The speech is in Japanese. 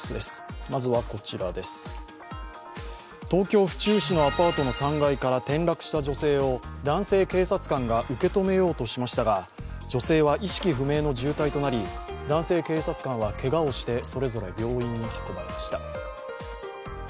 東京・府中市のアパートの３階から転落した女性を男性警察官が受け止めようとしましたが女性は意識不明の重体となり男性警察官はけがをしてそれぞれ病院に運ばれました。